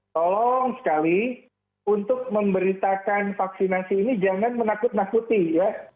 tolong sekali untuk memberitakan vaksinasi ini jangan menakut nakuti ya